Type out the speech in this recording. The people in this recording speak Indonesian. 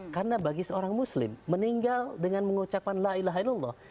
karena bagi seorang muslim meninggal dengan mengucapkan la ilaha illallah